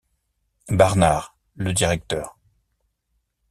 Barnard, le directeur.